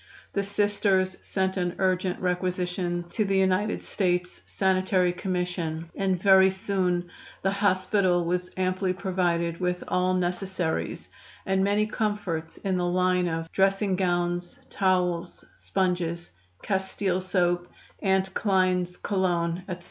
The Sisters sent an urgent requisition to the United States Sanitary Commission, and very soon the hospital was amply provided with all necessaries and many comforts in the line of dressing gowns, towels, sponges, castile soap, "Aunt Klyne's cologne," etc.